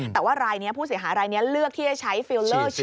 แต่ว่ารายนี้ผู้เสียหายรายนี้เลือกที่จะใช้ฟิลเลอร์